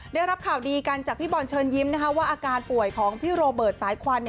ได้รับข่าวดีกันจากพี่บอลเชิญยิ้มว่าอาการป่วยของพี่โรเบิร์ตสายควัน